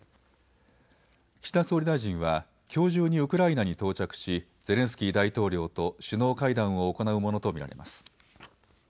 岸田総理大臣はきょう中にウクライナに到着しゼレンスキー大統領と首脳会談を行うものと見られます。